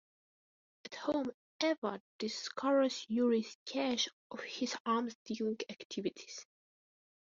At home, Ava discovers Yuri's cache of his arms-dealing activities.